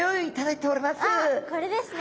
これですね。